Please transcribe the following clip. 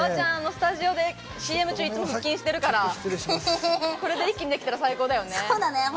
ＣＭ中、いつも腹筋してるから、これで一気にできたら最高だよね。